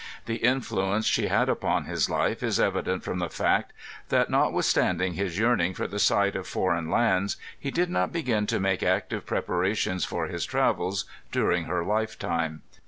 The influence she bad upon his life is evident from the fact that notwithstanding his yearning for the sight of foreign lands he did not begin to make active preparations for his trav els during her life time.